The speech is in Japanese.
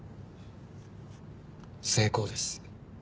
成功です。